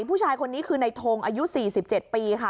ผู้ชายคนนี้คือในทงอายุ๔๗ปีค่ะ